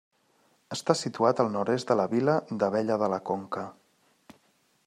Està situat al nord-est de la vila d'Abella de la Conca.